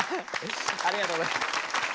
ありがとうございます。